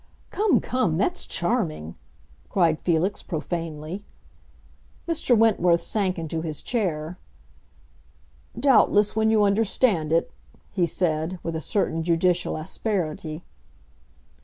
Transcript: "Come, come, that's charming!" cried Felix, profanely. Mr. Wentworth sank into his chair. "Doubtless, when you understand it," he said, with a certain judicial asperity.